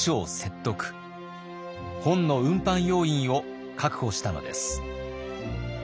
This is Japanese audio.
本の運搬要員を確保したのです。